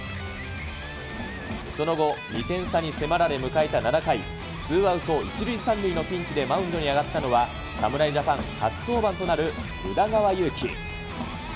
その後、２点差に迫られ迎えた７回、ツーアウト１塁３塁のピンチで、マウンドに上がったのは、侍ジャパン初登板となる宇田川優希。